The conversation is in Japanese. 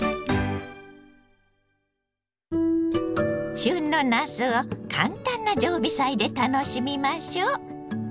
旬のなすを簡単な常備菜で楽しみましょう。